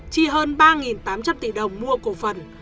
chi hơn ba tám trăm linh tỷ đồng mua cổ phần